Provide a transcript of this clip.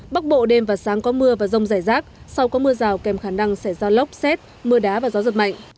bắc bộ đêm và sáng có mưa và rông rải rác sau có mưa rào kèm khả năng xảy ra lốc xét mưa đá và gió giật mạnh